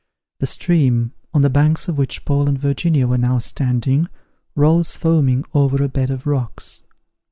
The stream, on the banks of which Paul and Virginia were now standing, rolls foaming over a bed of rocks.